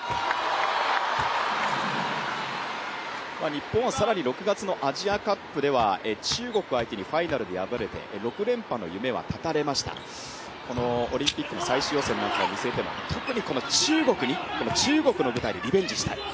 日本は更に６月のアジアカップでは中国相手にファイナルで敗れて６連覇の夢は絶たれましたオリンピックの最終予選を見据えても特にこの中国に、中国の舞台でリベンジをしたい。